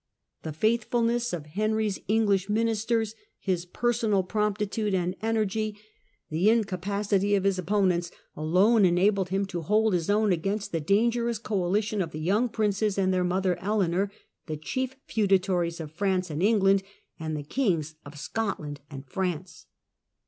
The faithfulness of Henry's English ministers, his personal promptitude and energy and FRANCE UNDER LOUIS VI. AND LOUIS VII. 109 the incapacity of his opponents, alone enabled him to hold his own against the dangerous coalition of the young princes and their mother Eleanor, the chief feudatories of France and England, and the kings of Scotland and France.